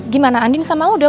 gimana andin sama al udah pulang